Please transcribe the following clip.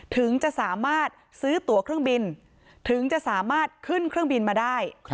ถึงจะสามารถซื้อตัวเครื่องบินถึงจะสามารถขึ้นเครื่องบินมาได้